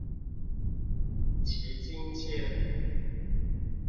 旗津線